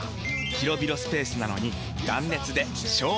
広々スペースなのに断熱で省エネ！